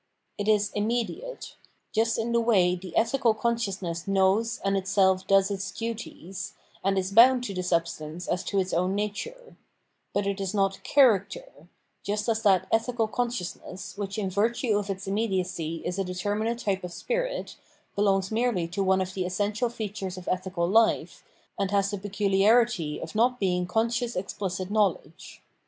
It is immediate — just in the way the " ethical" consciousness knows and itself does its duties, and is bound to the substance as to its own nature : but it is not character, just as that ethical consciousness, which in virtue of its immediacy is a determinate type of spirit, belongs merely to one of the essential features of ethical life, and has the peculiarity of not being conscious explicit know ledge.